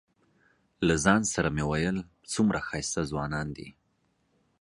له ځان سره مې ویل څومره ښایسته ځوانان دي.